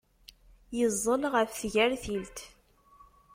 Yeẓẓel ɣef tgertilt.